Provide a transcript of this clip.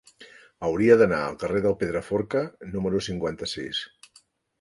Hauria d'anar al carrer del Pedraforca número cinquanta-sis.